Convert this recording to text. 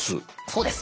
そうです。